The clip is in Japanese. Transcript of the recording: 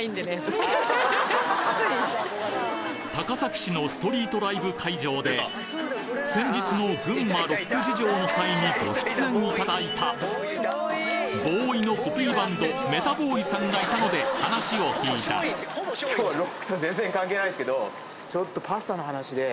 高崎市のストリートライブ会場で先日の群馬ロック事情の際にご出演いただいたＢＯＷＹのコピーバンドメタボウイさんがいたので話を聞いたちょっとパスタの話で。